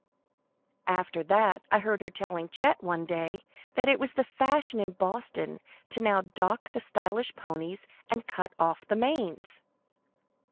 After that I heard her telling Chet one day that it was the fashion in Boston now to dock the stylish ponies and cut off the manes.